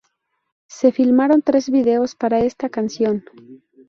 Se filmaron tres videos para esta canción.